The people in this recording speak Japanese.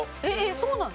そうなの？